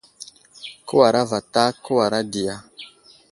Kəwara vatak ,kəwara di ya ?